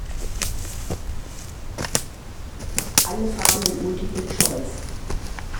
Alle Fragen sind Multiple Choice.